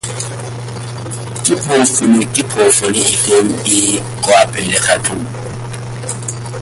Ke phologolo efe e e kwa pele ga tlou?